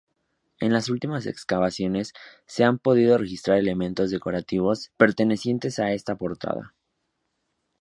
En las últimas excavaciones se han podido registrar elementos decorativos pertenecientes a esta portada.